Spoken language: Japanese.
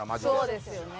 そうですよね。